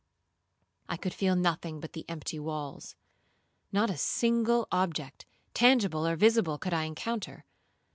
I could feel nothing but the empty walls,—not a single object, tangible or visible, could I encounter.